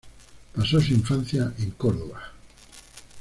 Pasó su infancia en Córdoba.